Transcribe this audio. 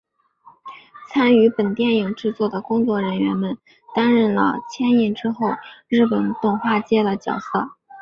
参与本电影制作的工作人员们担任了牵引之后日本动画界的角色。